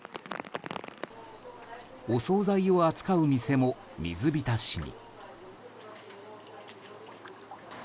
お総菜を扱う店も、水浸しに。